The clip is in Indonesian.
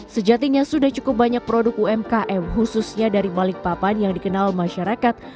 sejatinya sudah cukup banyak produk umkm khususnya dari balikpapan yang dikenal masyarakat